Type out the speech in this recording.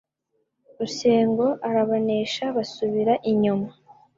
Rusengo arabanesha basubira inyuma